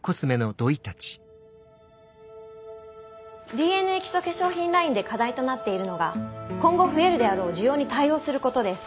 ＤＮＡ基礎化粧品ラインで課題となっているのが今後増えるであろう需要に対応することです。